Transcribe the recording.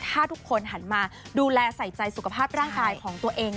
ถ้าทุกคนหันมาดูแลใส่ใจสุขภาพร่างกายของตัวเอง